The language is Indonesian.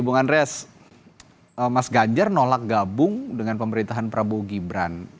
bung andres mas ganjar nolak gabung dengan pemerintahan prabowo gibran